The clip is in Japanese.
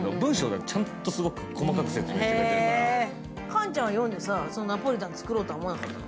菅ちゃんは読んでナポリタンを作ろうとは思わなかったの？